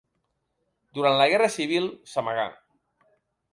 Durant la Guerra Civil, s'amagà.